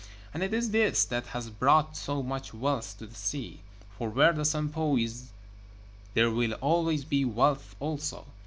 And it is this that has brought so much wealth to the sea, for where the Sampo is there will always be wealth also.